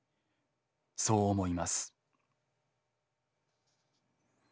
そう思います」。